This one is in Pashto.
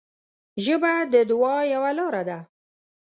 ژبه د دعا یوه لاره ده